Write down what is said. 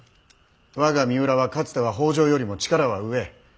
我が三浦はかつては北条よりも力は上。